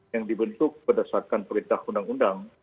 yang dibentuk berdasarkan perintah undang undang